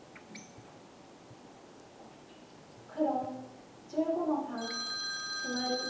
黒１５の三シマリ。